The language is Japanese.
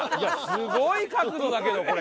すごい角度だけどこれ！